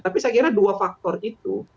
tapi saya kira dua faktor itu